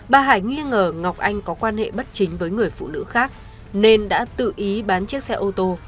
bà hạnh nghi ngờ ngọc anh có quan hệ bất chính với người phụ nữ khác nên đã tự ý bán chiếc xe ô tô